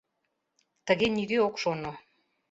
— Тыге нигӧ ок шоно.